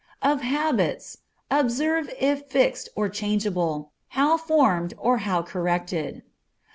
Of habits. Observe if fixed or changeable, how formed or how corrected.